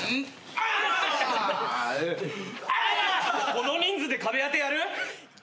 この人数で壁当てやる？